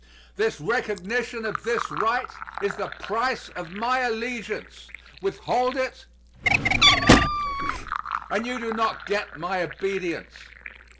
This recognition of this right is the price of my allegiance. Withhold it, and you do not get my obedience.